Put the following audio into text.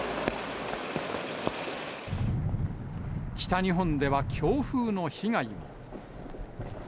北日本では強風の被害も。